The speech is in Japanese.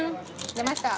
出ました。